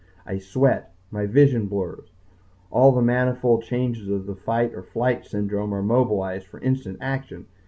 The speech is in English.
I sweat. My vision blurs. All the manifold changes of the fight or flight syndrome are mobilized for instant action.